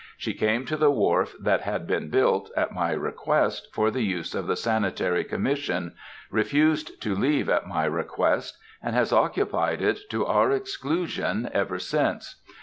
She came to the wharf that had been built, at my request, for the use of the Sanitary Commission, refused to leave at my request, and has occupied it to our exclusion ever since.